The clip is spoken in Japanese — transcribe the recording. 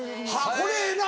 これええな！